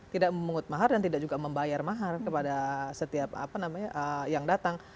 tidak memungut mahar dan tidak juga membayar mahar kepada setiap apa namanya yang datang